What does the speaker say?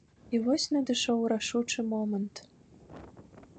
І вось надышоў рашучы момант.